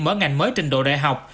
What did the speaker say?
mở ngành mới trình độ đại học